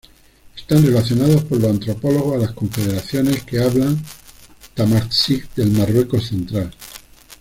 Están relacionados por los antropólogos a las confederaciones que hablan Tamazight del Marruecos central.